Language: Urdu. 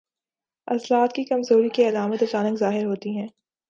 عضلات کی کمزوری کی علامات اچانک ظاہر ہوتی ہیں